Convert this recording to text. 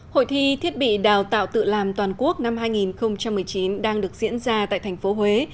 hội thi thiết bị đào tạo tự làm toàn quốc năm hai nghìn một mươi chín đang được diễn ra tại thành phố huế